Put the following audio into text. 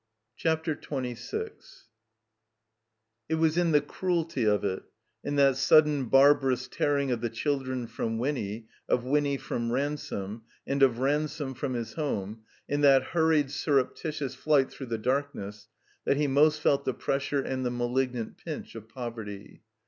CHAPTER XXVI IT was in the cruelty of it, in that sudden barbar ous tearing of the children from Winny, of Winny from Ransome, and of Ransome from his home, in that hurried, surreptitious flight through the dark ness, that he most felt the pressure and the malig nant pinch of poverty.